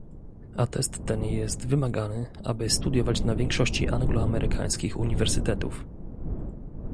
A test ten jest wymagany, aby studiować na większości angloamerykańskich uniwersytetów